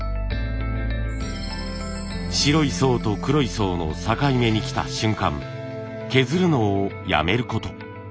白い層と黒い層の境目にきた瞬間削るのをやめること。